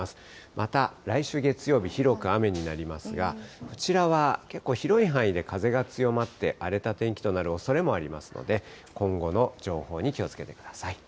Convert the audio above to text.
また、来週月曜日、広く雨になりますが、こちらは結構、広い範囲で風が強まって荒れた天気となるおそれもありますので、今後の情報に気をつけてください。